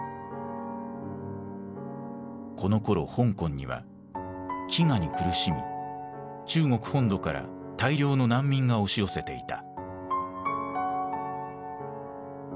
このころ香港には飢餓に苦しみ中国本土から大量の難民が押し寄せていた。